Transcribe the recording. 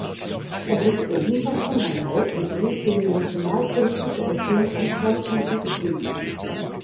Er wuchs in Hinterpommern auf und besuchte die Nationalpolitische Erziehungsanstalt in Köslin.